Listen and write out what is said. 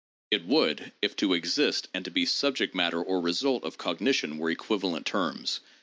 It would, if to exist and to be subject matter or result of cognition were equivalent terms.